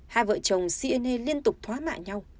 hai vợ chồng siene liên tục thoá mạ nhau